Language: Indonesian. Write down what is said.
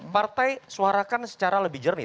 partai suarakan secara lebih jernih